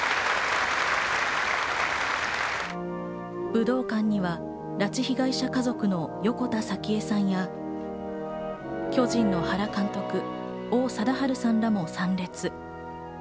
武道館には拉致被害者家族の横田早紀江さんや、巨人の原監督、王貞治さんらも参列。